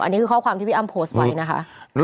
อันนี้คือข้อความที่พี่อ้ำโพสต์ไว้นะคะ